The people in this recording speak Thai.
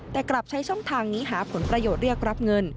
แต่กลับใช้ช่องทางนี้หาผลประโยชน์เรียกรับเงิน